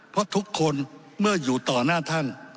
เพราะทุกคนเมื่ออยู่ต่อหน้าท่าน